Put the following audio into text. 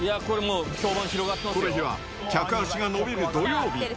この日は客足が伸びる土曜日。